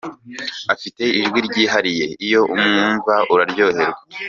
Afite ijwi ryihariye, iyo umwumva uraryoherwa.